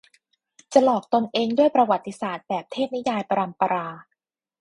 จะหลอกตนเองด้วยประวัติศาสตร์แบบเทพนิยายปรัมปรา